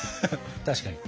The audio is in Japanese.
確かに。